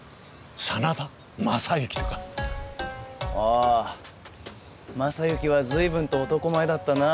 ああ昌幸は随分と男前だったな。